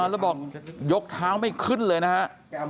แล้วบอกยกเท้าไม่ขึ้นเลยนะครับ